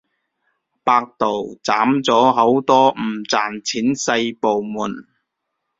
百度斬咗好多唔賺錢細部門